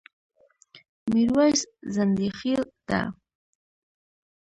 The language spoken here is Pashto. ميرويس ځنډيخيل ډه